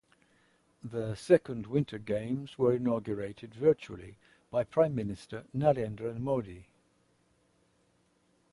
The second winter games were inaugurated virtually by Prime Minister Narendra Modi.